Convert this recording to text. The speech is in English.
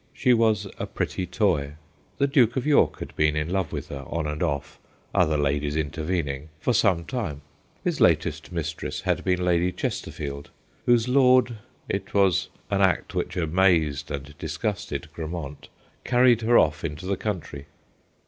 She was a pretty toy. The Duke of York had been in love with her, on and off, other ladies intervening, for some time. His latest mistress had been Lady Chesterfield, whose lord it was an act which amazed and disgusted Grammont A SAD STORY 109 carried her off into the country.